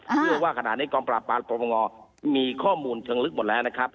เพราะว่าขณะนี้กรรมปลาปลาประมงอมีข้อมูลทั้งลึกหมดแล้วนะครับ